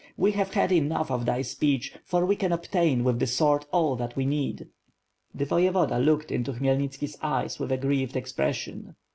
We have had enough of thy speech, for we can obtain with the sword all that we need/* The Voyevoda looked into Khmyelnitski's eyes with a grieved expression.